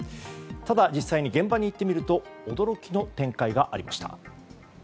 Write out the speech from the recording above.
ただ、実際に現場に行ってみると驚きの展開がありました。